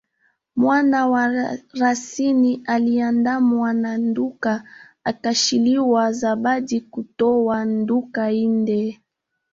Mwana wa rasini aliandamwa na ndhuka akachiliwa zabadi kuntoa ndhuka indee.